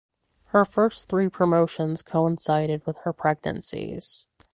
Her first thee promotions coincided with her pregnancies.